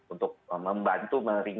untuk membantu berbicara